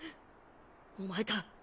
お前か？